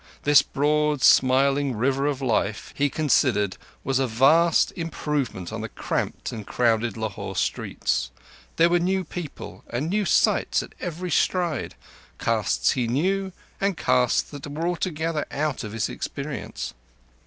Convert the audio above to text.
This broad, smiling river of life, he considered, was a vast improvement on the cramped and crowded Lahore streets. There were new people and new sights at every stride—castes he knew and castes that were altogether out of his experience.